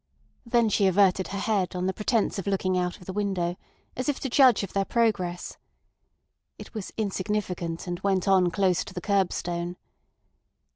Then she averted her head on the pretence of looking out of the window, as if to judge of their progress. It was insignificant, and went on close to the curbstone.